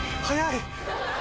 早い。